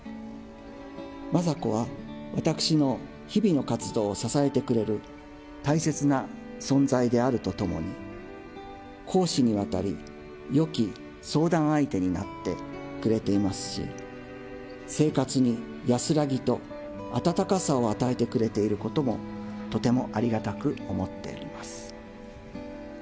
雅子は私の日々の活動を支えてくれる大切な存在であるとともに、公私にわたり、よき相談相手になってくれていますし、生活に安らぎと温かさを与えてくれていることもとてもありがたく思っております。